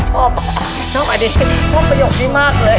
ชอบชอบอันนี้ชอบประโยคนี้มากเลย